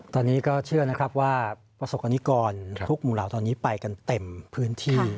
ตอนนี้ก็เชื่อนะครับว่าประสบกรณิกรทุกหมู่เหล่าตอนนี้ไปกันเต็มพื้นที่